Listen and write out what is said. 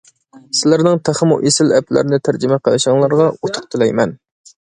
سىلەرنىڭ تېخىمۇ ئېسىل ئەپلەرنى تەرجىمە قىلىشىڭلارغا ئۇتۇق تىلەيمەن.